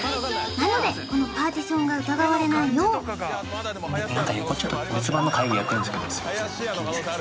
なのでこのパーティションが疑われないよう横別番の会議やってるんですけどすいませんお気にせず